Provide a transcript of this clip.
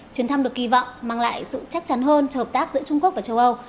chuyến thăm được kỳ vọng mang lại sự chắc chắn hơn cho hợp tác giữa trung quốc và châu âu